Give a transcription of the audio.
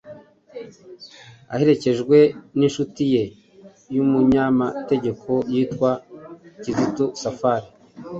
aherekejwe n'inshuti ye y'umunyamategeko yitwa Kizito Safari.